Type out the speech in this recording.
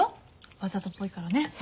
わざとっぽいからね。